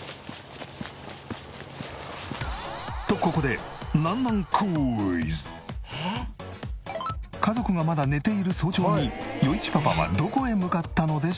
とここで家族がまだ寝ている早朝に余一パパはどこへ向かったのでしょうか？